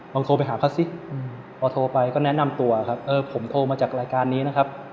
โทรไปหาเขาสิพอโทรไปก็แนะนำตัวครับเออผมโทรมาจากรายการนี้นะครับ